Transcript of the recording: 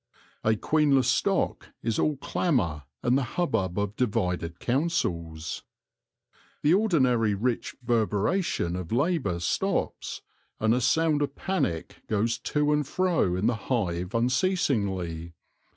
A queen less stock is all clamour and the hubbub of divided counsels. The ordinary rich reverberation of labour stops, and a sound of panic goes to and fro in the hive unceasingly.